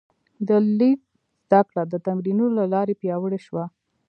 د لیک زده کړه د تمرینونو له لارې پیاوړې شوه.